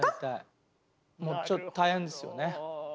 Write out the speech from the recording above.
もうちょっと大変ですよね。